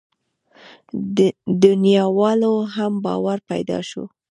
دنياوالو هم باور پيدا شو.